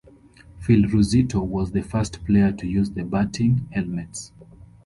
Phil Rizzuto was the first player to use the batting helmets.